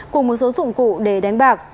cùng một số dụng cụ để đánh bạc